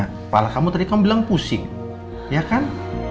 kepala kamu tadi kamu bilang pusing ya kan